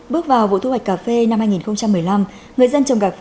bước vào vụ thu hoạch cà phê năm hai nghìn một mươi năm